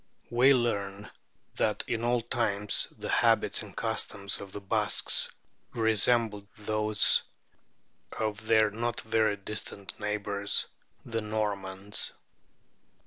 We learn that in old times the habits and customs of the Basques resembled those of their not very distant neighbours, the Normans.